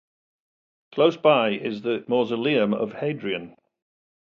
Close by is the Mausoleum of Hadrian.